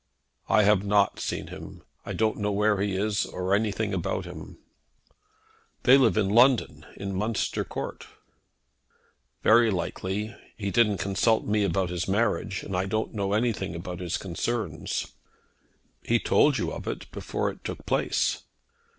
"I have not seen him. I don't know where he is, or anything about him." "They live in London, in Munster Court." "Very likely. He didn't consult me about his marriage, and I don't know anything about his concerns." "He told you of it, before it took place."